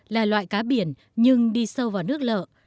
là loại cá biển nhưng đi sâu vào nước lợ